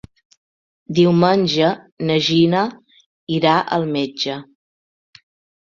Diumenge na Gina irà al metge.